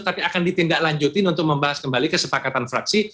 tapi akan ditindaklanjutin untuk membahas kembali kesepakatan fraksi